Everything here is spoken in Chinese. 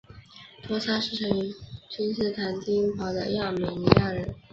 多桑是生于君士坦丁堡的亚美尼亚人。